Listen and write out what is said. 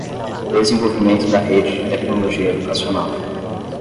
Desenvolvimento da Rede de Tecnologia Educacional.